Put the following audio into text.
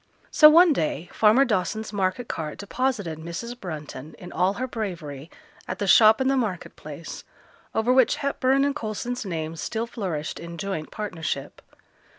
So one day farmer Dawson's market cart deposited Mrs. Brunton in all her bravery at the shop in the market place, over which Hepburn and Coulson's names still flourished in joint partnership.